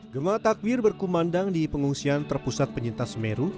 gemah takbir berkumandang di pengungsian terpusat penyintas semeru